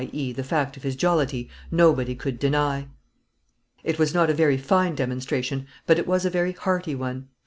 e._, the fact of his jollity nobody could deny. It was not a very fine demonstration, but it was a very hearty one.